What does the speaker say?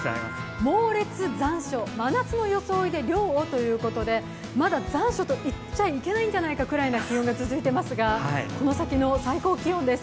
猛烈残暑、真夏の装いで涼をということでまだ残暑と言っちゃいけないんじゃないかくらいの気温が続いていますがこの先の最高気温です。